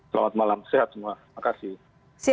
selamat malam sehat semua makasih